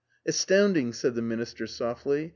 '*" Astounding, said the minister softly.